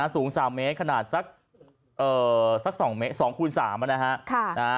สูง๓เมตรขนาดสัก๒เมตร๒คูณ๓อ่ะนะคะ